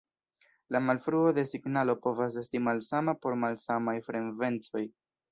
La malfruo de signalo povas esti malsama por malsamaj frekvencoj.